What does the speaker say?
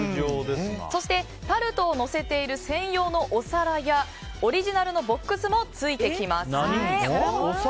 そしてタルトをのせている専用のお皿やオリジナルのボックスもついてきます。